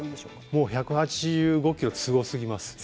もう１８５キロってすごすぎます。